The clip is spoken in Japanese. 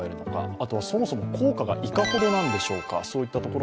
あとは、そもそも効果がいかほどなのか。